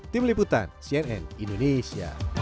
tim liputan cnn indonesia